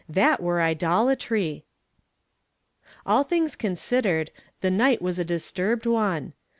That were idolatry ! All things considered, the night was a disturbed one.